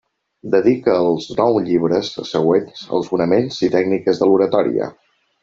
Dedica els nou llibres següents als fonaments i tècniques de l'oratòria.